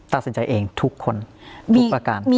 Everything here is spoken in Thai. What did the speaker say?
ตัดสินใจเองทุกคนทุกประการ